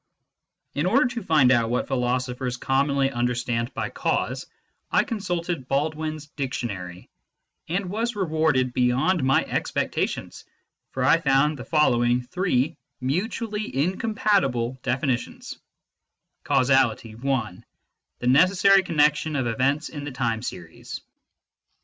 ON THE NOTION OF CAUSE 181 In order to find out what philosophers commonly understand by " cause," I consulted Baldwin s Dictionary, and was rewarded beyond my expectations, for I found the following three mutually incompatible definitions :" CAUSALITY, (i) The necessary connection of events in the time series.